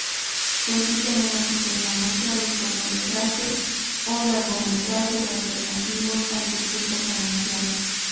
Consiste en una pequeña muestra de cortometrajes o largometrajes alternativos al circuito comercial.